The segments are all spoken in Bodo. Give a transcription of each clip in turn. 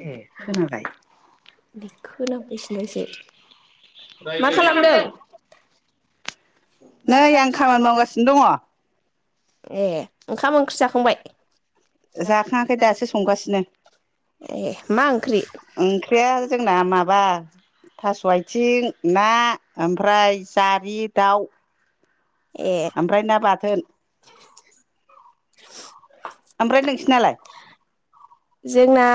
ए खोनाबाय [unintelligible] मा खालामदों? नै आं खामानि मावगासिनो दङ ए ओंखाम ओंख्रि जाखांबाय? जाखाङाखै दासो संगासिनो [unintelligible] मा ओंख्रि? ना माबा थास' आयथिं ना ओम ओमफ्राय जारि दाउ ए ओमफ्राय ना बाथोन [inaudible] ओमफ्राय नोंसिनालाय [unintelligible] जोंना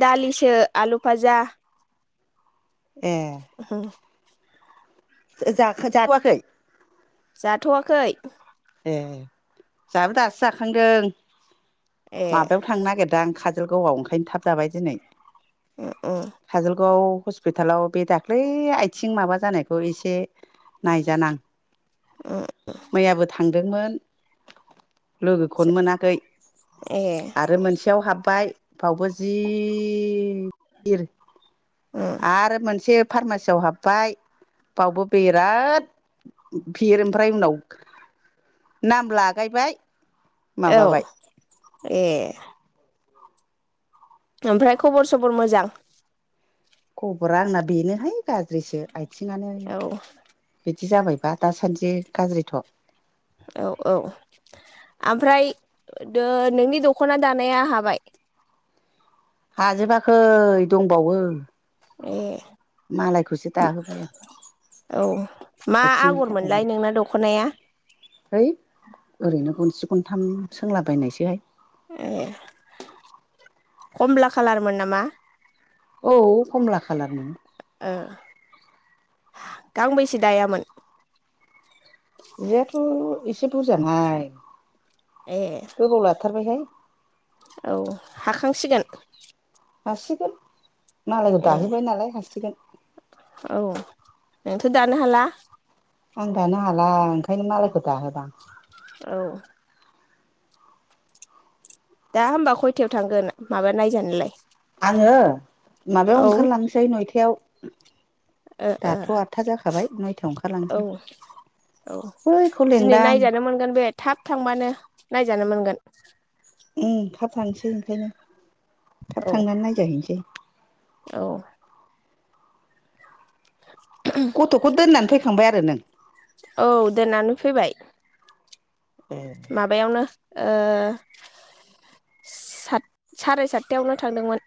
दालिसो आलु फाजा ए औ जाखो जाथवाखै? जाथ'वाखै ए जोंहाबो दासो जाखांदों ए माबायाव थांनो नागिरदों आं काजलगावआव ओंख [unintelligible] थाब जाबाय दिनै उम उम [inaudible] काजलगाव स्पिटाल आाव बे दाखाै आथिं माबा जानायखौ इसे नायजानां उम मैयाबो थांदोंमोन लोगोखौनो मोनाखै ए आरो मोनसेयाव हाब्बाय फावबो जि गिर उम आरो मोनसे फार्मासियाव हाब्बाय बावबो बिराद बिर ओमफ्राय उनाव नाम लागायबाय औ माबाबाय ए ओमफ्राय खबर सबर मोजां? खबरा आंना बेनोहाय गाज्रिसो आथिंयानो औ बिदि जाबायबा दासानसे जि गाज्रिथ' औ औ ओमफ्राय द नोंनि दख'ना दानाया हाबाय हाजोबाखै दंबावो ए मालायखौसो दाहोबाय आं औ मा आथिंनि आगरमोनलाय थाखायनो नोंना दख'नाया हैइ ओरैनो गनसे गनथाम सोंलाबायनायसैहाय ए कमला खालारमोन नामा? औ कमला खालारनि ओ गांबैसे दायामोन? जियाथ' एसे बुरजाहाय ए गोबाव लाथारबायहाय औ हाखांसिगोन हसिगोन मालायखौ ए दाहोबाय नालाय हारसिगोन औ नोंथ' दानो हाला आं दानो हाला ओंखायनो मालायखौ दा हो दां औ दा होमबा खयथायाव थांगोन माबा नायजानायलाय आङो माबायाव ओंखारलांनोसै नयथायाव [unintelligible] ओ दाथ' आदथा जाखाबाय नयथायाव ओ औ ओंखारलांसै औ बैखौ दिनै लेंदां नायजानो मोनगोन बे थाब थांबानो नायजानो मोनगोन उ थाब थांसै ओंखायनो थाब औ थांनानै नायजाहैसै औ [unintelligible] गथ'खौ दोननानै फैखांबाय आरो नों औ दोननानै फैबाय ए माबायावनो ओ सात साराय सातथायावनो थांदोंमोन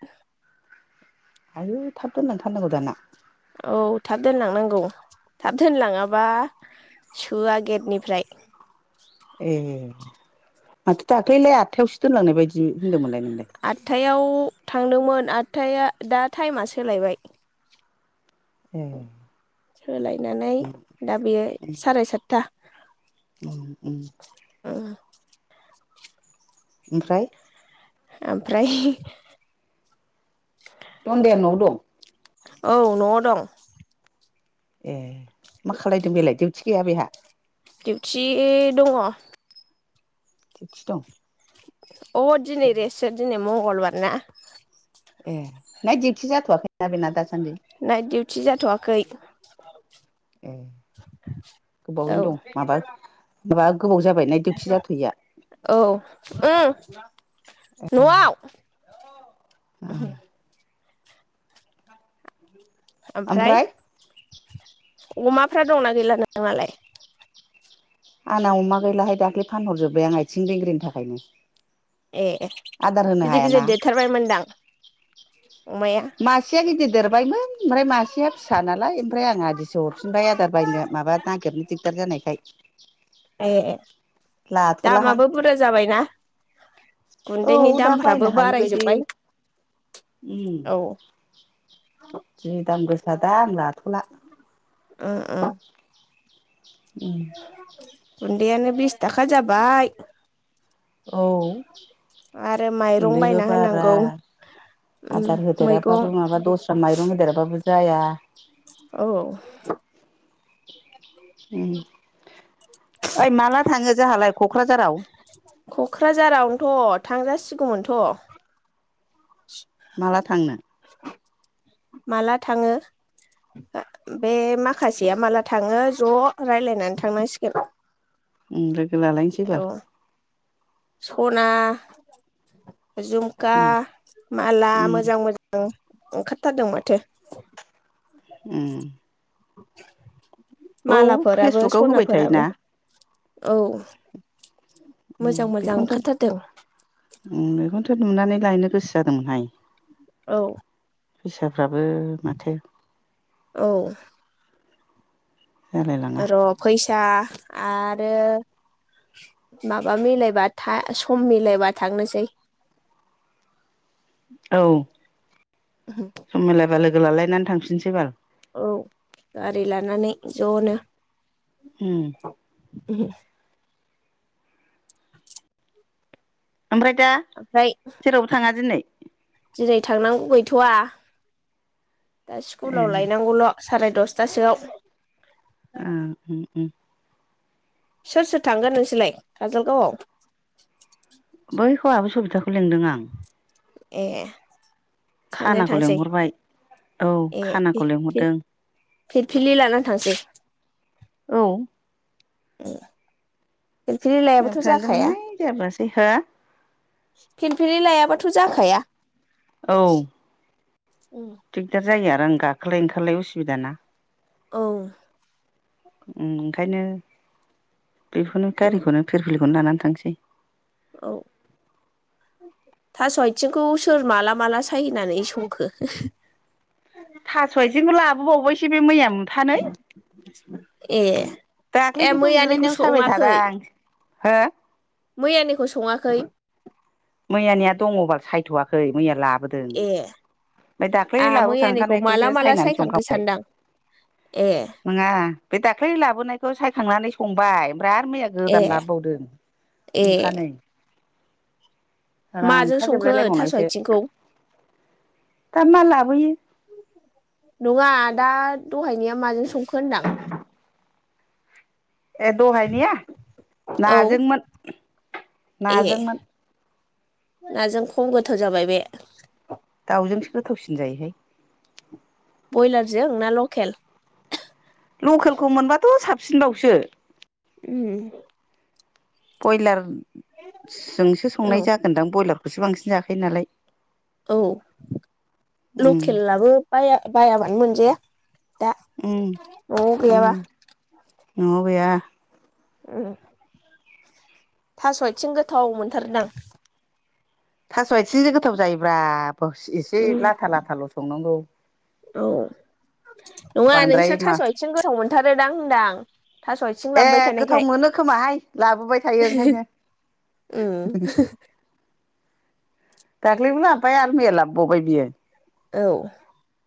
आयु थाब दोनलां थारनांगौ दाना औ थाब दोनलांनांगौ थाब दोनलाङाबा सोआ गेटनिफ्राय ए माथो दाख्लैलाय आदथायावसो दोनलांनाय बायदि होनदोंमोनलाय नों आदथायाव थांदोंमोन आटथाया दा टाइमा सोलायबाय ए सोलायनानै उम दा बेयो साराय सातथा उ उ ओ ओमफ्राय ओमफ्राय दन्दाया न'वाव दं औ न'आव दं ए मा खालदों बेलाय डउटि गैया बेहा दिडिउथि दङ दिउथि दं [unintelligible] अ दिनै रेस दिनै मंगलबारना ए नायत दिउसि जाथ'वाखैना बेना दास नाइट डउटि जाथ'वाखै ए औ गोबावैनो दं माबा [unintelligible] नाइट डिउटि जाथ'यैया औ न'आव [unintelligible] [unintelligible] ओमफ्राय अमाफ्रा दंना गैला नोंनालाय आंना अमा गैलाहाय दाख्लै फानहरजोब्बाय आं आथिं लिंग्रिनि थाखायनो ए आदार होनो गिदिर हायाना गिदिर देरथारबायमोनदां अमाया मासेया गिदिर देरबायमोन ओमफ्राय मासेया फिसा नालाय ओमफ्राय आं आदिसो हरफिनबाय आदार बायनो माबा नागिरनो दिगदार जानायखाय [inaudible] ए लाथ'लाहां दामाबो बुरजा जाबायना औ गुन्दैनि दा बायनो दामफ्राबो हायै बायदि बारायजोबबाय उम औ जि दाम गोसा दा आं लाथला उम। उम [unintelligible] गुन्दैयानो बिस थाखा जाबाय। औ। आरो माइरं गुन्दैबो बायना बारा होनांगौ उम आदार मैगं होदेराबाबो माबा दस्रा माइरं होदेराबाबो जाया। औ ओइ माला थांङो। जोहालाय कक्राझारावनोथ' थांजासिगौमोनथ' माला थांनो। माला थांङो बे माखासेया माला थांङो ज राय्लायनानै थांनांसिगोन। उम दे। लोगो लालायनोसै औ बाल। सना झुमखा उम माला उम मोजां मोजां। ओंखारथारदों माथो। उम। [inaudible] औ मालाफोराबो फेसबुकआव होबाय सनाफोराबो थायोना। औ। उम मोजां मोजां बेखौनोथ' ओंखारथारदों। बेखौनोथ नुनानै लायनो गोसो जादोंमोनहाय। औ। फैसा। फ्राबो माथो। औ जालायलाङा र फैसा। आ आरो माबा मिलायबा था सम मिलायबा थांनोसै औ सम मिलायबा लोगोलालायनानै थांफिनसै बाल औ गारि लानानै ज'नो उम उ ओमफ्राय दा जेरावबो थाङा दिनै जेरै थांनांगौ गैथवा दा ए स्कुलाव लायनांगौल' साराय दसथासोआव ओ उम उम सोर सोर थांगोन नोंसोरलाय काजलगावआव [inaudible] सोलोंदों आं ए सानैजोंजों खानाखौ थांसै लेंहरबाय औ ए खानाखौ लेंहरदों फिरफिलि लानानै थांसै औ [inaudible] लायाबाथ' मैयाबो जाखाया थाङादोमोनहाय जाबोआसै हो फिलफिलि लायाबाथ' जाखाया। औ दिगदार जायो आरो आं गाखोलाय ओंखारलाय उसुबिदा ना। औ। ओंखायनो बेखौनो गारिखौनो फिरफिलिखौनो लानानै थांसै। औ थास' आथिंखौ सोर माला माला सायहैनानै संखो? बावबायसो बे मैया थानै ए। ए दाख्लैनिखौ मैयानिखौ जिरायनायाव साबाय थादो सङाखै आं। हो मैयानिखौ सङाखै? बोदों। ए ओमफ्राय दाख्लै आंहा मैयानिखौ माला लाबोखांखानायखौसो माला सायनानै सायखांखो संखांबाय। सानदां ए नङा बे दाख्लै लाबोनायखौ साय खांनानै संबाय [unintelligible] मैया ए गोदान लाबोबावदों ए मुथानै। माजों संखो रानखाजोबलाय थास' लायबावनायसो आथिंखौ? दा मा लाबोयो नङा दा दहायनिया माजों सं खो [unintelligible] ए दहायनिया? औ नाजोंमोन। ए नाजोंमोन। नाजों खम गोथाव जाबाय बे। दाउजोंसो गोथावसिन जायोहाय बयलारजों ना लखेल? थिनबावसो उम। बयलार जोंसो औ संनाय जागोनदां बयलार [unintelligible] बांसिन जाखायो नालाय। औ उम लखेलाबो बाया। बायाबानो मोनजाया। दा उम न'आव उम। गैयाबा न'आव गैया। [unintelligible] थास'आयथिं गोथाव मोनथारदां स' आइथिंजों गोथाव जायोब्रा [unintelligible] इसे लाथा लाथाल' संनांगौ औ नङा नोंस्रा बांद्राय मा थास' आइथिं गोथाव मोनथारोदां होनदां थास' आथिं ए लाबोबाय गोथाव थानायखाय मोनो खोमाहाय लाबोबाय थायो ओंखायनो ओम दाख्लैबो लाबोबाय आरो मैया लाबोबावबाय बियो औ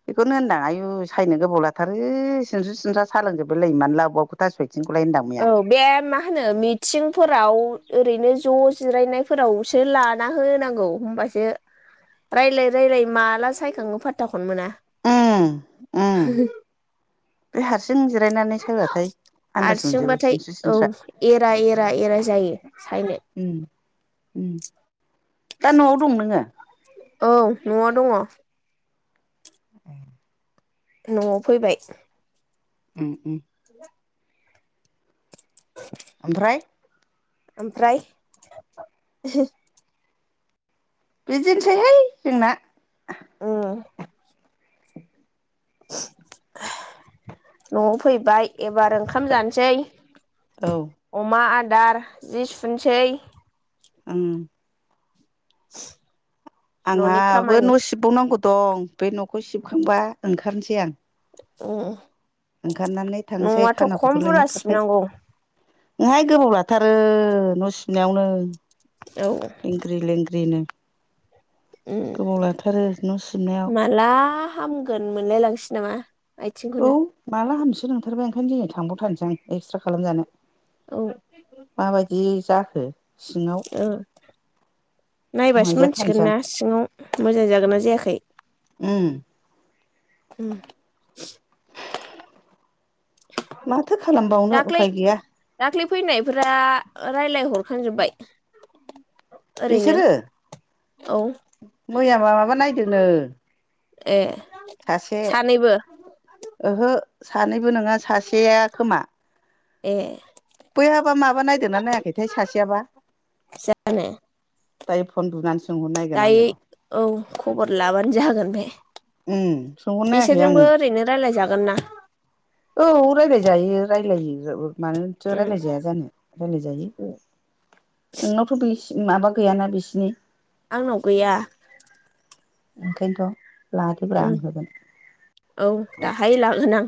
बेखौनो होनदां आयु सायनो गोबाव लाथारो सिनस्रि सिनस्रा सालांजोबलायलायो आरो मानो लाबोबावखो थास' आइ औ बे मा होनो मिथिंफोराव ओरैनो ज' जिरायनायफोरावसो लाना होनांगौ होनबासो रायलाय रायलाय माला सायखाङो फाथथाख ओम ओम बे हारसिं जिरायनानै सायबाथाय आन्दाज मोन सिंबाथाय औ एरा एरा एरा जायो सायनो ओम दा न'आव दं नोङो? औ न'आव दङ ओम न'आव फैबाय ओम ओम ओमफ्राय ओमफ्राय [unintelligible] बिदिनोसैहाय जोंना औ न'आव फैबाय एबार ओंखाम जानोसै औ अमा आ दार जि सुनसै उम [unintelligible] न'नि आंहाबो खामानि न' सिबबावनांगौ दं बे न'खौ सिबखांबा ओंखारनोसै आं उम ओंखारनानै थांसै न'आथ' खम खानाखौबो बुरजा लेंहरखाबाय सिबनांगौ ओंहाय गोबाव लाथारो न' सिबनायावनो औ लेंग्रि लेंग्रि नो उम गोबाव लाथारो न' सिबनायाव माला हामगोन मोनलाय लांसै नामा औ आथिंखौनो माला हामसि नंथारबाय ओंखायनो दिनै थांबावथारनोसां एक्सट्रा खालामजानो औ माबायदि जाखो सिङाव औ नायबासो मोनथिगोन नायजाथारनोसै आं ना सिङाव मोजां जागोना जायाखै। उम। उम माथो खालामबावनो दाख्लै उफाय गैया। दाख्लै फैनायफोरा रायलाय हरखांजोबबाय? बिसोरो औ मैया माबा नायदोंनो ए सासे सानैबो ओहो सानैबो नङा सासेया खोमा। ए। बैहाबा माबा नायदोंना नायाखैथाय सासेयाबा जानो दायो फनबुनानैसो दायो औ खबर लाबानो जागोन दे उम सोंहर नायाखै आङो ओरैनो रायलायजागोन ना औ रायलाय जायो रायलायो [unintelligible] मानोथो उम रायलायजाया जानो रायलाय जायो उम नवावथ' बेस माबा गैयाना बिसिनि। आंनाव गैया। ओंखायनथ'। लादोब्रा उम आं होगोन। औ दाहाय लागोन आं।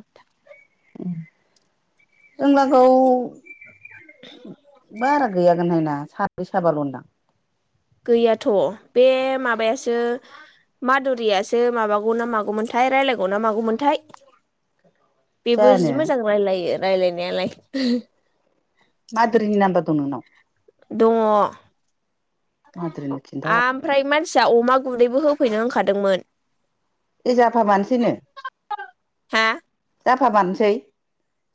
उम जों लागोआव बारा गैयागोनहाय ना साब्रै साबानल' दां। गैयाथ' बे माबायासो मादुरियासो माबागौ ना मागौमोनथाय रायलायगौ ना मागौमोनथाय। बेबो जि जानो मोजां रायलायो रायलायनायालाय ओहो मादुरिनि नाम्बा दं नोंनाव? दङ। मादुरिनो खिन्थाहर आमफ्राय मानसिया अमा ग गुन्दैबो होफैनो होनखादोंमोन। ए जाफाबानोसैनो हा जाफा मारनोसै?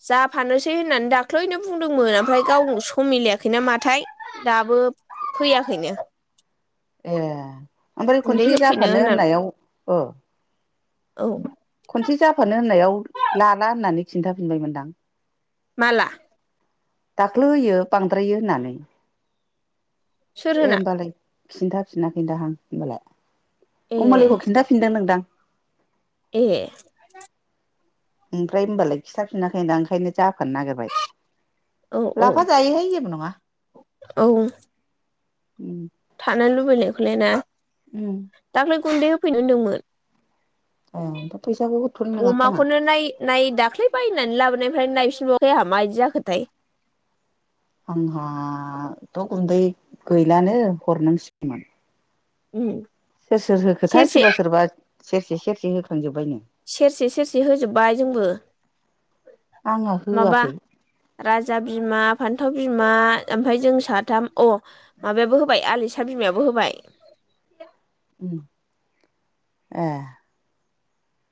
जाफानोसै होननानै दाख्लैनो बुंदोंमोन ओमफ्राय गाव सम मिलायाखैना माथाय दाबो फैयाखैनो। ए ओमफ्राय गुन्दै खनसे होफैनो जाफानो होनना होननायाव ओ औ। खनसे जाफानो होननायाव लाला होननानै खिन्था फिनबायमोनदां। माला? दाख्लैयो बांद्रायो होननानै। सोर ए होना होमबालाय खिन्था फिनाखैदाहां होनबालाय। ए अम'लिखौ खिन्थाफिनदों नोंदां। ए ओमफ्राय होमबालाय खिथाफिनाखै दां ओंखायनो जा फानो नागिरबाय औ औ लाफा जायोहाय जेबो नङा। औ उम फानो लुबैनायखौलाय ना? उम दाख्लै गुन्दै होफैनो होनदोंमोन। ए ओमफ्राय फैसाखौ हरथ'नो नङा खोमा अमाखौनो नाय-नाय दाख्लै बायनानै लाबोनाय ओमफ्राय नायफिनबावाखै आं मायदि जाखोथाय। आंहाथ' गुन्दै गैलानो हरनांसिगौमोन। उम सोर सोर होखोथाय सेरसे सोरबा सोरबा सेरसे सेरसे होखांजोब सेरसे सेरसे होजोबबाय जोंबो आंहा माबा होआखै राजा बिमा फान्थाव बिमा ओमफ्राय जों साथाम अ माबायाबो होबाय आलिसा बिमायाबो होबाय। उम ए